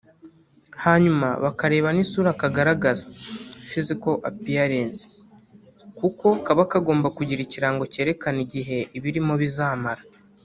hanyuma bakareba n’isura kagaragaza (Physical appearance) kuko kaba kagomba kugira ikirango cyerekana igihe ibirimo bizamara